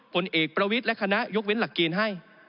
ผลเอกประวิทย์และคณะยกเว้นหลักเกณฑ์ให้